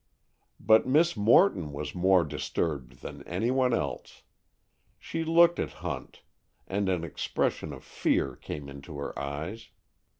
But Miss Morton was more disturbed than any one else. She looked at Hunt, and an expression of fear came into her eyes.